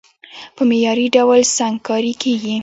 په معياري ډول سنګکاري کېږي،